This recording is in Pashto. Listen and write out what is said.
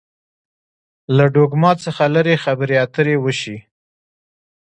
له ډوګما څخه لري خبرې اترې وشي.